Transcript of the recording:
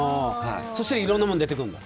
そうしたらいろんなもの出てくるんだ。